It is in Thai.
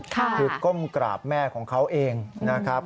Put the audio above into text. คือก้มกราบแม่ของเขาเองนะครับ